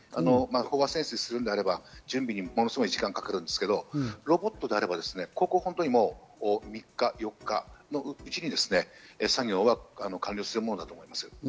飽和潜水するのであれば準備にものすごく時間がかかるんですけれども、ロボットであれば３日４日のうちに作業が完了するものだと思います。